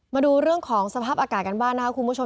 มาดูเรื่องของสภาพอากาศกันบ้างนะครับคุณผู้ชม